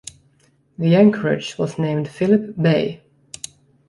The anchorage was named "Phillip Bay".